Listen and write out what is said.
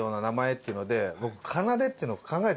っていうので僕。